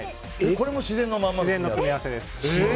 これも自然の組み合わせです。